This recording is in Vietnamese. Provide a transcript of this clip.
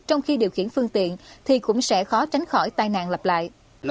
trong khi điều khiển phương tiện thì cũng sẽ khó tránh khỏi tai nạn lặp lại